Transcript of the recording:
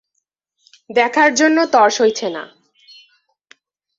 দেখার জন্য তর সইছে না।